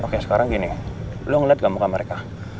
oke sekarang gini lo ngelihat gak muka mereka